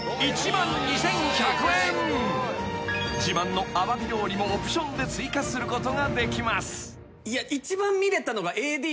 ［自慢のアワビ料理もオプションで追加することができます］